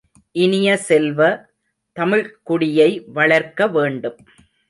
இனிய செல்வ, தமிழ்க் குடியை வளர்க்க வேண்டும்.